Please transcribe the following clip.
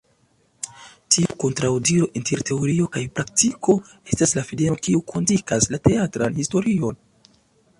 Tiu kontraŭdiro inter teorio kaj praktiko estas la fadeno kiu kondukas la teatran historion.